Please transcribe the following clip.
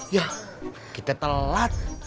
yah kita telat